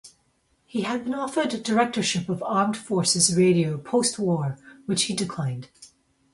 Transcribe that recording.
He had been offered directorship of Armed Forces Radio postwar, which he declined.